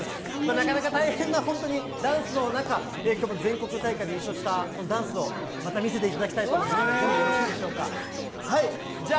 なかなか大変な、本当にダンスの中、きょうも全国大会で優勝したダンスをまた見せていただきたいと思いますので、ぜひよろしいでしょうか？